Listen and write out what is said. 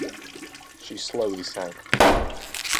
She slowly sank.